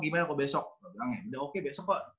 gimana kok besok gue bilang ya udah oke besok kok